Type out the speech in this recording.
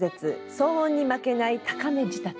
騒音に負けない高め仕立て」。